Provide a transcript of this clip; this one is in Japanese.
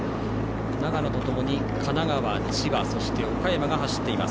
長野とともに神奈川、千葉、岡山が走っています。